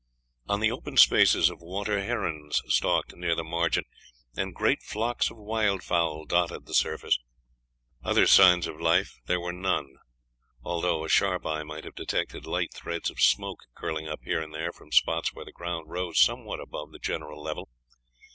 On the open spaces of water herons stalked near the margin, and great flocks of wild fowl dotted the surface. Other signs of life there were none, although a sharp eye might have detected light threads of smoke curling up here and there from spots where the ground rose somewhat above the general level.